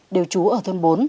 đều trú ở thôn bốn